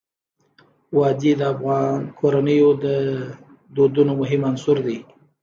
وادي د افغان کورنیو د دودونو مهم عنصر دی.